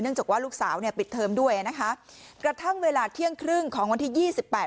จากว่าลูกสาวเนี่ยปิดเทอมด้วยอ่ะนะคะกระทั่งเวลาเที่ยงครึ่งของวันที่ยี่สิบแปด